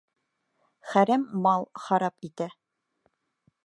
Хәрәм мал харап итә.